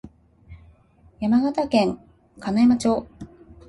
山形県金山町